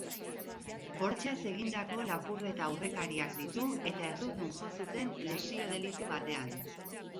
Bortxaz egindako lapurreta aurrekariak ditu, eta errudun jo zuten lesio delitu batean.